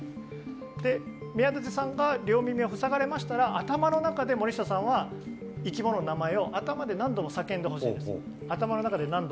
宮舘さんが両耳を塞がれましたら頭の中で森下さんは生き物の名前を頭で何度も叫んでほしいです。